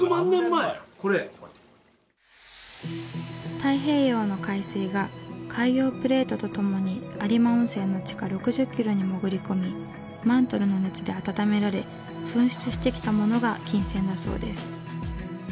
太平洋の海水が海洋プレートと共に有馬温泉の地下６０キロに潜り込みマントルの熱で温められ噴出してきたものが金泉だそうです。